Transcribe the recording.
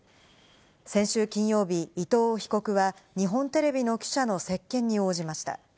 先週金曜日、伊藤被告は日本テレビの記者の接見に応じました。